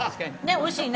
おいしいね。